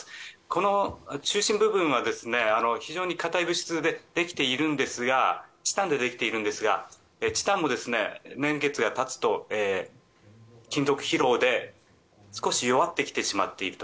この中心部分は非常に硬い物質でチタンでできているんですがチタンも年月がたつと金属疲労で少し弱ってきてしまっていると。